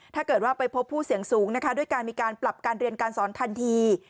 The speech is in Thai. ถ้าเกิดว่าไปพบผู้เสี่ยงสูงนะคะด้วยการมีการปรับการเรียนการสอนทันที